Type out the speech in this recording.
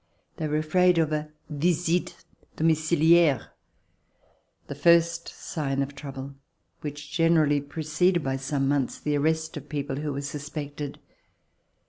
They were afraid of a visite domiciliaire, the first sign of trouble, which generally preceded by some months the arrest of people who were suspected.